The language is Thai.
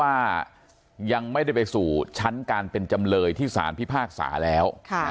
ว่ายังไม่ได้ไปสู่ชั้นการเป็นจำเลยที่สารพิพากษาแล้ว